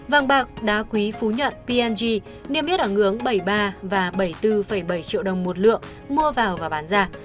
vàng bạc đá quý phú nhận p g niêm yết ở ngưỡng bảy mươi ba và bảy mươi bốn bảy triệu đồng một lượng mua vào và bán ra